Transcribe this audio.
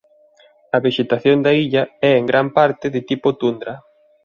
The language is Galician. A vexetación da illa é en gran parte de tipo tundra.